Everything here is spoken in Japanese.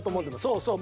そうそう。